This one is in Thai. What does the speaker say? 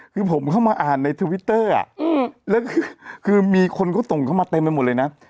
คือผมเข้ามาอ่านในอืมแล้วก็เอิ่มคือมีคุณเขาส่งเข้ามาเต็มไปหมดเลยน่ะ